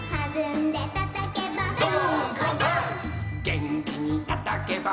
「げんきにたたけば」